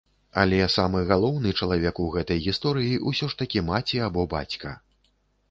Але самы галоўны чалавек у гэтай гісторыі ўсё ж такі маці або бацька.